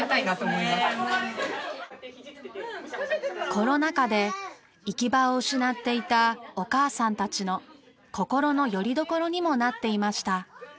コロナ禍で行き場を失っていたお母さんたちの心のよりどころにもなっていました。